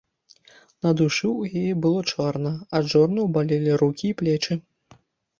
На душы ў яе было чорна, ад жорнаў балелі рукі і плечы.